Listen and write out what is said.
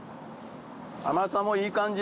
甘さもいい感じ。